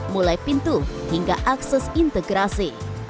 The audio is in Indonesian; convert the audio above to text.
mulai pintu hingga akses integrasi